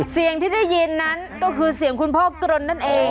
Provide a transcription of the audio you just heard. เสียงที่ได้ยินนั้นก็คือเสียงคุณพ่อกรนนั่นเอง